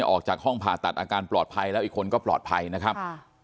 ออกจากห้องผ่าตัดอาการปลอดภัยแล้วอีกคนก็ปลอดภัยนะครับ